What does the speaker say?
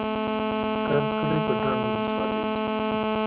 کرز کلی په ډنډ ولسوالۍ کي دی.